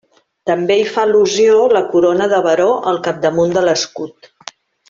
També hi fa al·lusió la corona de baró al capdamunt de l'escut.